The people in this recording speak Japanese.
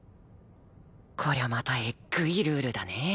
こりゃまたえっぐいルールだね。